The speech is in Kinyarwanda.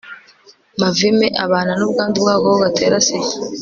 mavime abana n'ubwandu bw'agakoko gatera sida